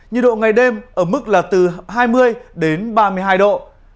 nhiệt độ ngày đêm ở mức là từ hai mươi đến ba mươi hai độ